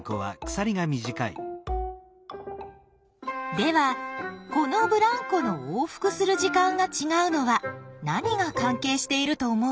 ではこのブランコの往復する時間がちがうのは何が関係していると思う？